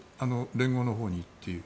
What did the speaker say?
連合のほうにという。